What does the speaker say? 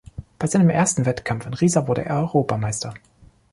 Bei seinem ersten Wettkampf in Riesa wurde er Europameister.